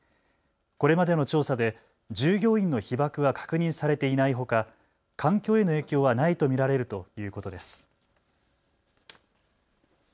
これまでの調査で従業員の被ばくは確認されていないほか環境への影響はないと見られるということです。